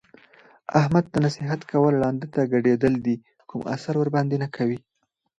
احمد ته نصیحت کول ړانده ته ګډېدل دي کوم اثر ورباندې نه کوي.